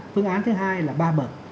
phương án thứ hai là ba bậc